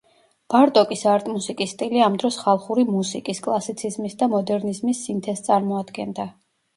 ბარტოკის არტ-მუსიკის სტილი ამ დროს ხალხური მუსიკის, კლასიციზმის და მოდერნიზმის სინთეზს წარმოადგენდა.